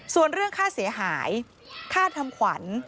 ส่วนเรื่องค่าเสียหายค่าทำขวัญ